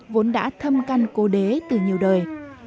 vốn đã thâm căn cố đế từ nhiều đời